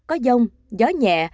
có dông gió nhẹ